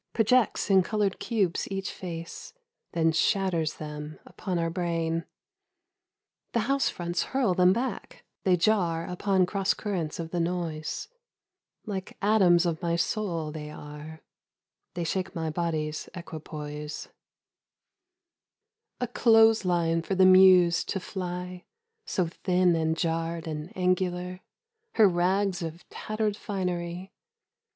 Projects in coloured cubes each face — Then shatters them upon our brain. The house fronts hurl them back, they jar Upon cross currents of the noise : Like atoms of my soul they are, They shake my body's equipoise, — A clothes line for the Muse to fly (So thin and jarred and angular) Her rags of tattered finery.